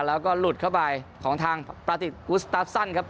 แล้วก็หลุดเข้าไปของทางปราติกอุสตาฟซันครับ